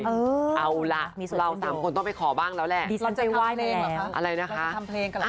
เออเอาล่ะเราสามคนต้องไปขอบ้างแล้วแหละเราจะทำเพลงหรอคะอะไรนะคะเราจะทำเพลงกัน